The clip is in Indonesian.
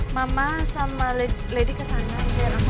mama sama lady kesana biar aku nanti kesana